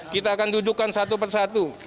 kita akan dudukkan satu persatu